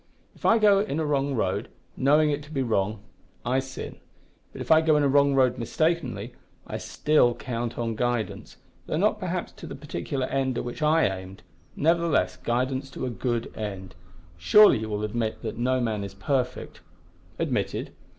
If I go in a wrong road, knowing it to be wrong, I sin; but if I go in a wrong road mistakenly, I still count on guidance, though not perhaps to the particular end at which I aimed nevertheless, guidance to a good end. Surely you will admit that no man is perfect?" "Admitted."